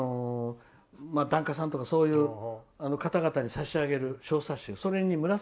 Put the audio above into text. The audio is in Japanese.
檀家さんとかそういう方々に差し上げる冊子。